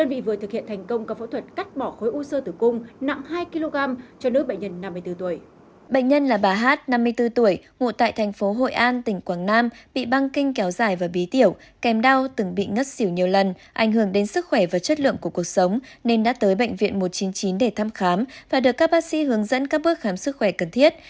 bệnh nhân là bà hát năm mươi bốn tuổi ngụ tại thành phố hội an tỉnh quảng nam bị băng kinh kéo dài và bí tiểu kèm đau từng bị ngất xỉu nhiều lần ảnh hưởng đến sức khỏe và chất lượng của cuộc sống nên đã tới bệnh viện một trăm chín mươi chín để thăm khám và được các bác sĩ hướng dẫn các bước khám sức khỏe cần thiết